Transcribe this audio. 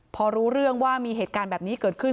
พอรู้เรื่องว่ามีเหตุการณ์แบบนี้เกิดขึ้น